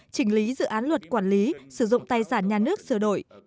chỉnh lý dự án luật quản lý sử dụng tài sản nhà nước sửa đổi